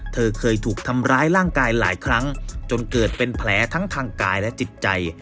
เธอเคยถูกทำร้ายร่างกายหลายครั้งจนเกิดเป็นแผลทั้งทางกายและจิตใจ